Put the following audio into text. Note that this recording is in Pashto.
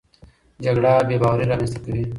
جګړه بېباوري رامنځته کوي.